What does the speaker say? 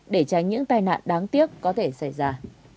để tránh những tai nạn đáng tiếc có thể xảy ra